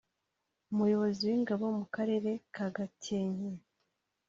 Umuyobozi w'Ingabo mu Karere ka Gakenke